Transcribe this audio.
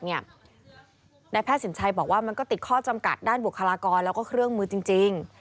นายแพทย์สินชัยบอกว่ามันก็ติดข้อจำกัดด้านบุคลากรแล้วก็เครื่องมือจริง